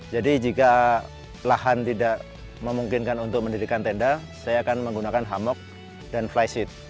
jadi jika lahan tidak memungkinkan untuk mendirikan tenda saya akan menggunakan hamok dan flysheet